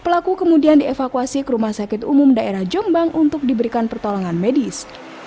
pelaku kemudian dievakuasi ke rumah sakit umum daerah jombang untuk diberikan pertolongan medis